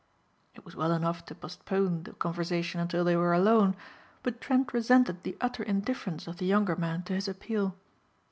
It was well enough to postpone the conversation until they were alone, but Trent resented the utter indifference of the younger man to his appeal.